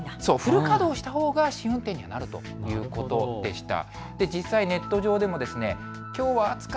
フル稼働したほうが試運転になるということでした。